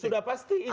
sudah pasti itu